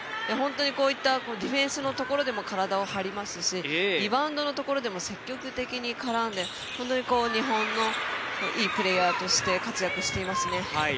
こういったディフェンスのところでも体を張りますしリバウンドのところでも積極的に絡んで本当に日本のいいプレーヤーとして活躍していますね。